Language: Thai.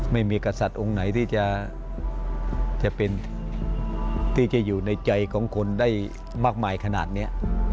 กษัตริย์องค์ไหนที่จะเป็นที่จะอยู่ในใจของคนได้มากมายขนาดนี้